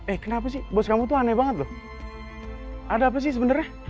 eh kenapa sih bos kamu tuh aneh banget loh ada apa sih sebenarnya